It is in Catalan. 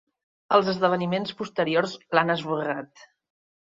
Els esdeveniments posteriors l'han esborrat